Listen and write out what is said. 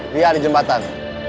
dia ada di jembatan